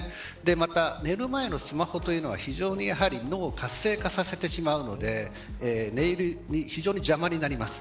また寝る前のスマホというのは非常に脳を活性化させてしまうので寝入りに非常に邪魔になります。